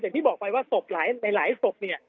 อย่างที่บอกไปว่าศพหลายศพเนี่ย